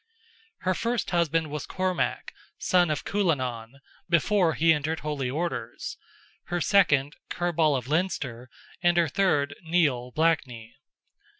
Her first husband was Cormac, son of Cuilenan, before he entered holy orders; her second, Kerball of Leinster, and her third, Nial Black Knee.